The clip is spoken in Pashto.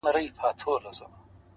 اوس مي تعويذ له ډېره خروښه چاودي-